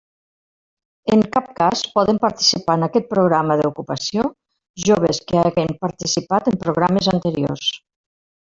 En cap cas poden participar en aquest programa d'ocupació, joves que hagen participat en programes anteriors.